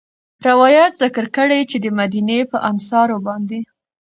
روايت ذکر کړی چې د مديني په انصارو باندي